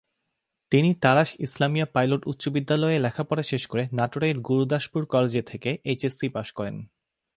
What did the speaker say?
তিনি তাড়াশ ইসলামিয়া পাইলট উচ্চ বিদ্যালয়ে লেখাপড়া শেষ করে নাটোরের গুরুদাসপুর কলেজে থেকে এইচএসসি পাস করেন।